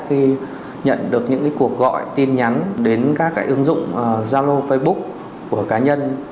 khi nhận được những cuộc gọi tin nhắn đến các ứng dụng zalo facebook của cá nhân